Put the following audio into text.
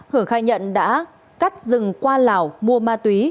hửa khai nhận đã cắt rừng qua lào mua ma túy